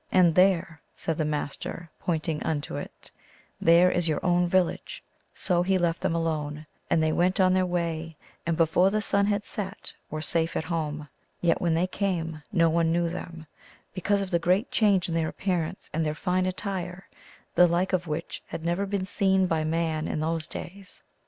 And there," said the Master, pointing unto it, " there is your own village !" So he left them alone, and they went on their way, and before the sun had set were safe at home. Yet when they came no one knew them, because of the great change in their appearance and their fine attire, the like of which had never been seen by man in those days.